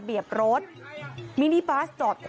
เมนูบินิบอส๒๐๐